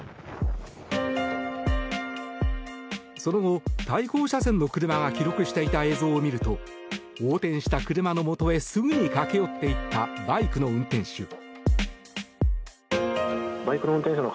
その後、対向車線の車が記録していた映像を見ると横転した車のもとへすぐに駆け寄っていったバイクの運転手。